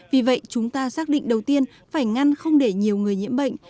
vì vậy chúng ta xác định đầu tiên phải ngăn không để nhiều người nhiễm bệnh